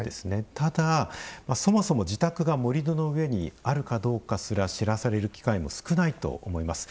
ただそもそも自宅が盛土の上にあるかどうかすら知らされる機会も少ないと思います。